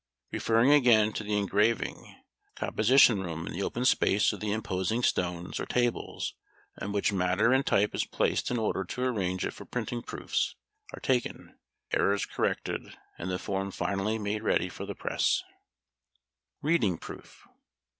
Referring again to the engraving, "Composition room," in the open space are the "imposing stones," or "tables," on which matter in type is placed in order to arrange it for printing; proofs are taken, errors corrected, and the "form" finally made ready for the press. [Illustration: Reading Proof.